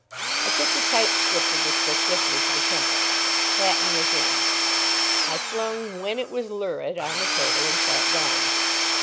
I took the type script of this book with me to the Temple. Hatton was in. I flung When It Was Lurid on the table, and sat down.